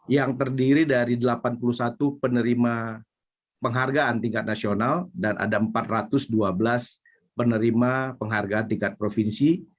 yang terdiri dari delapan puluh satu penerima penghargaan tingkat nasional dan ada empat ratus dua belas penerima penghargaan tingkat provinsi